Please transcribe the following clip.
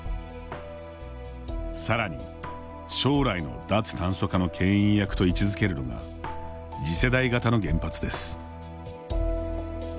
さらに、将来の脱炭素化のけん引役と位置づけるのが次世代型の原発です。